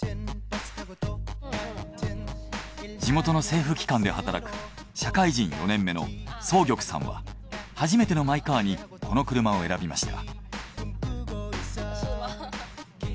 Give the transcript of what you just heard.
地元の政府機関で働く社会人４年目の曾玉さんは初めてのマイカーにこの車を選びました。